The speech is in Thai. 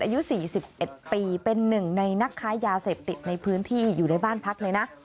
อายุ๔๑ปีเป็นหนึ่งในนักค้ายาเสพติดในพื้นที่อยู่ในบ้านพักเลยนะ